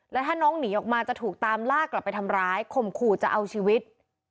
แล้วถ้าน้องหนีออกมาจะถูกตามลากกลับไปทำร้ายข่มขู่จะเอาชีวิต